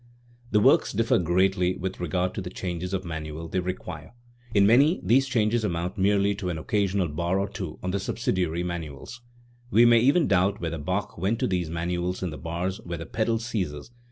The works differ greatly with regard to the changes of manual they require. In many these changes amount merely to an occasional bar or two on the subsidiary man uals; we may even doubt whether Bach went to these manuals in the bars where the pedal ceases, e.